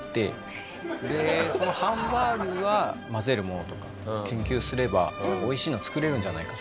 でそのハンバーグは混ぜるものとか研究すれば美味しいの作れるんじゃないか。